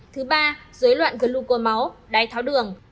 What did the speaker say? thứ ba dối loạn gluco máu đáy tháo đường